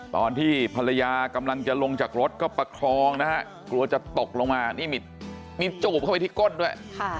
ตอนที่ภรรยากำลังจะลงจากรถก็ประคองนะฮะกลัวจะตกลงมานี่มีจูบเข้าไปที่ก้นด้วย